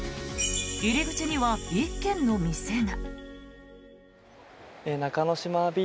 入り口には１軒の店が。